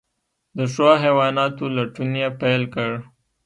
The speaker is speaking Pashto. د ښو حیواناتو لټون یې پیل کړ.